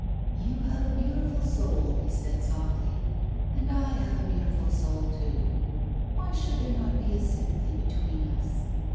"You have a beautiful soul," he said softly, "and I have a beautiful soul too. Why should there not be a sympathy between us?